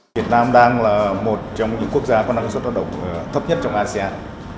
việt nam đang là một trong những quốc gia có năng suất lao động thấp nhất trong asean